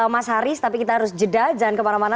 mas haris tapi kita harus jeda jangan kemana mana